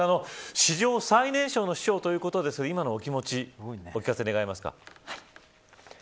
史上最年少の市長ということですが今のお気持ちお聞かせ願えますか。